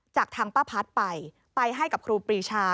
จากทางป้าพัดไปไปให้กับครูปรีชา